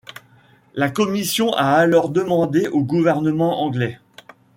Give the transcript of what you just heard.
La Commission a alors demandé au gouvernement anglais '.